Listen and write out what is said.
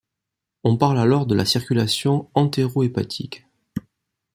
On parle alors de la circulation entérohépatique.